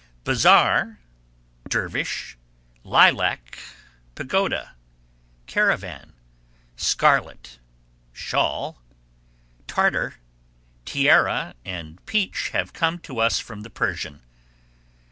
Bazaar, dervish, lilac, pagoda, caravan, scarlet, shawl, tartar, tiara and peach have come to us from the Persian.